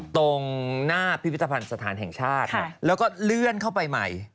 ตรงหน้าพิพิธภัณฑ์สถานแห่งชาติแล้วก็เลื่อนเข้าไปใหม่